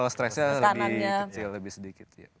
level stressnya lebih kecil lebih sedikit